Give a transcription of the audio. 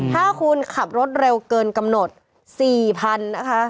ถ้าคุณขับรถเร็วเกินกำหนด๔๐๐๐นะคะ